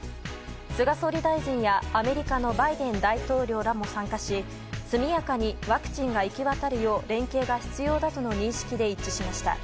菅総理大臣やアメリカのバイデン大統領らも参加し速やかにワクチンがいきわたるよう連携が必要だとの認識で一致しました。